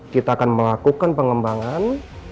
kita akan melakukan pengembangan